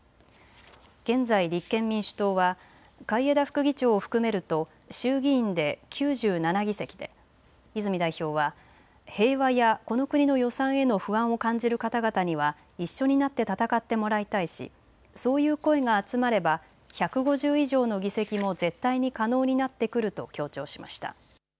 現在、立憲民主党は海江田副議長を含めると衆議院で９７議席で泉代表は平和やこの国の予算への不安を感じる方々には一緒になって戦ってもらいたいしそういう声が集まれば１５０以上の議席も絶対に可能になってくると強調しました。